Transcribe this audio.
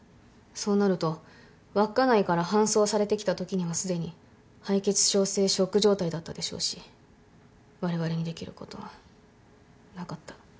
そうなると稚内から搬送されてきたときにはすでに敗血症性ショック状態だったでしょうしわれわれにできることはなかった。